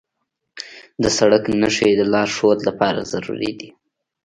د سړک نښې د لارښود لپاره ضروري دي.